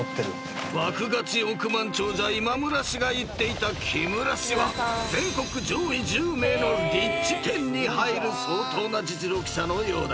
［爆勝ち億万長者今村氏が言っていた木村氏は全国上位１０名のリッチ１０に入る相当な実力者のようだ］